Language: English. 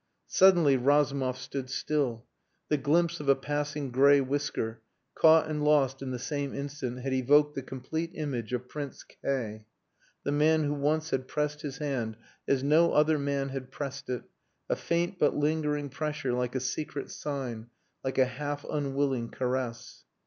Suddenly Razumov stood still. The glimpse of a passing grey whisker, caught and lost in the same instant, had evoked the complete image of Prince K , the man who once had pressed his hand as no other man had pressed it a faint but lingering pressure like a secret sign, like a half unwilling caress.